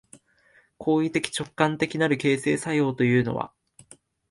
行為的直観的なる形成作用というのは、